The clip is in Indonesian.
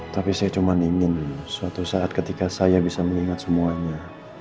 tapi saya cuma ingin suatu saat ketika saya bisa mengingat semuanya